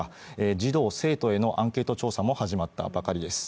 児童・生徒へのアンケート調査も始まったばかりです。